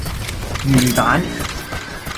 魚蛋